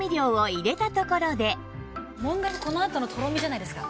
問題はこのあとのとろみじゃないですか？